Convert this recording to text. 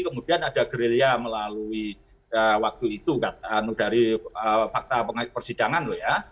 kemudian ada gerilya melalui waktu itu dari fakta persidangan loh ya